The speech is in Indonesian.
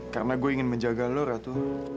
karena gue ingin menjaga lo ratu